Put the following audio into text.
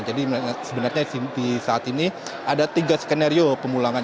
jadi sebenarnya di saat ini ada tiga skenario pemulangan